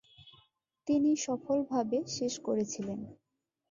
তিনি সফলভাবে শেষ করেছিলেন।